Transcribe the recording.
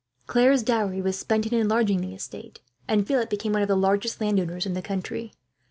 Claire's dowry was spent in enlarging the estate, and Philip became one of the largest landowners in the county.